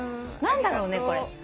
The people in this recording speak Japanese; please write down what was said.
何だろうねこれ。